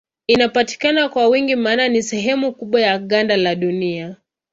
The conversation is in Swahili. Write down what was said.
Inapatikana kwa wingi maana ni sehemu kubwa ya ganda la Dunia.